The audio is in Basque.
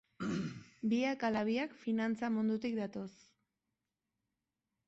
Biak ala biak finantza mundutik datoz.